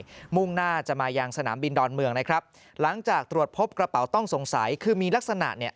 มุ่งหน้าจะมายังสนามบินดอนเมืองนะครับหลังจากตรวจพบกระเป๋าต้องสงสัยคือมีลักษณะเนี่ย